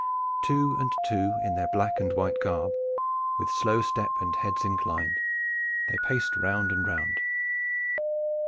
Two and two in their black and white garb with slow step and heads inclined, they paced round and round.